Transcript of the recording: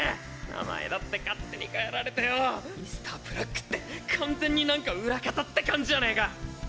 名前だって勝手に変えられてよぉ「Ｍｒ．ブラック」って完全に何か裏方って感じじゃねえか！